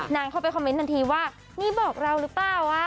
นางเข้าไปคอมเมนต์ทันทีว่านี่บอกเรารึเปล่าว่า